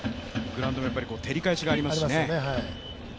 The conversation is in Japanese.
グラウンドも照り返しがありますしね。